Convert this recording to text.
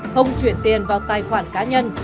không chuyển tiền vào tài khoản cá nhân